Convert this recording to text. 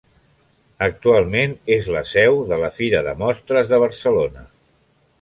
Actualment és la seu de la Fira de Mostres de Barcelona.